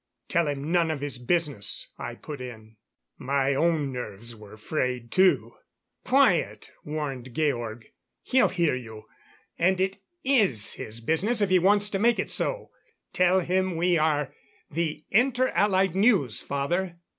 "Tell him none of his business," I put in. My own nerves were frayed, too. "Quiet!" warned Georg. "He'll hear you and it is his business if he wants to make it so. Tell him we are the Inter Allied News, father.